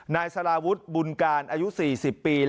นายสารวุฒิบุญการอายุ๔๐ปี